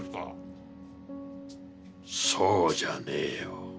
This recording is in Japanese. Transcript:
そうじゃねえよ。